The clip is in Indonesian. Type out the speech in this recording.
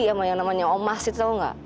sama yang namanya omas itu tau gak